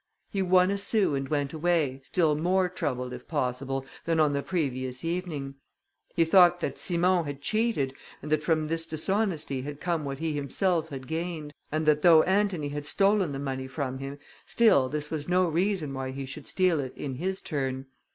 He won a sou, and went away, still more troubled, if possible, than on the previous evening. He thought that Simon had cheated, and that from this dishonesty had come what he himself had gained; and that though Antony had stolen the money from him, still this was no reason why he should steal it in his turn.